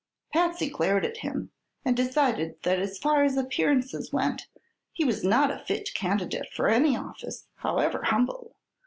Patsy glared at him and decided that as far as appearances went he was not a fit candidate for any office, however humble.